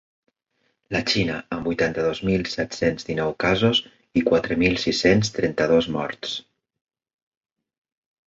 La Xina, amb vuitanta-dos mil set-cents dinou casos i quatre mil sis-cents trenta-dos morts.